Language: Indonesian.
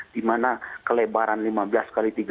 dimana kelebaran lima belas x tiga puluh